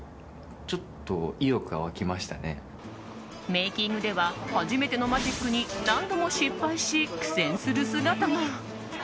メイキングでは初めてのマジックに何度も失敗し、苦戦する姿が。